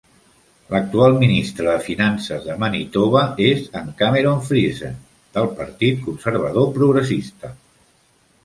L'actual ministre de Finances de Manitoba és en Cameron Friesen, del partit Conservador-Progressista.